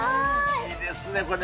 いいですね、これね。